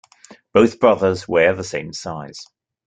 Both brothers wear the same size.